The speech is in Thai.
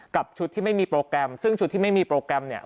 กับชุดที่ไม่มีโปรแกรมซึ่งชุดที่ไม่มีโปรแกรมเนี่ย